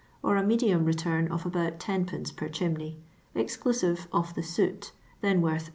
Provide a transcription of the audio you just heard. or a medium return of about lOc^. per chimney, exclusive of the soot, then worth Sd.